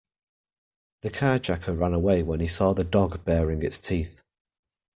The carjacker ran away when he saw the dog baring its teeth.